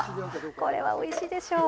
これはおいしいでしょう。